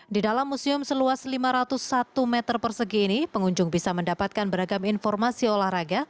di dalam museum seluas lima ratus satu meter persegi ini pengunjung bisa mendapatkan beragam informasi olahraga